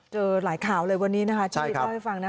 หลายข่าวเลยวันนี้นะคะชีวิตเล่าให้ฟังนะ